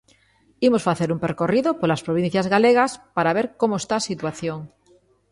Imos facer un percorrido polas provincias galegas para ver como está a situación.